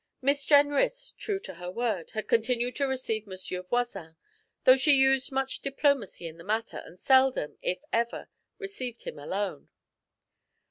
Miss Jenrys, true to her word, had continued to receive Monsieur Voisin, though she used much diplomacy in the matter, and seldom, if ever, received him alone.